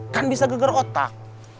kan bisa geger otak